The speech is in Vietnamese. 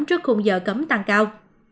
trước khung giờ cấm tăng cao